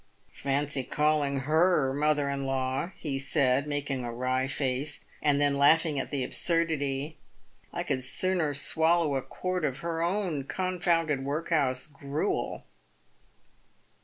* Fancy calling her mother in law," he said, making a. wry face, and then laughing at the absurdity. " I could sooner swallow a quart of her own confounded workhouse gruel."